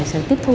sự tiếp thu